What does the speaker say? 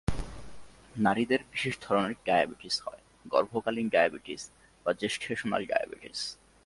নারীদের বিশেষ ধরনের ডায়াবেটিস হয়—গর্ভকালীন ডায়াবেটিস বা জেসটেশনাল ডায়াবেটিস।